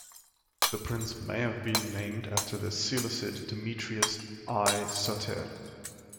The prince may have been named after the Seleucid Demetrius I Soter.